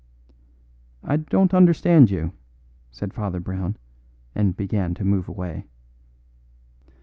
"I don't understand you," said Father Brown, and began to move away.